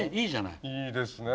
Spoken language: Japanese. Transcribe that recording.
いいですね。